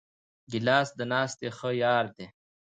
ګیلاس د ناستې ښه یار دی.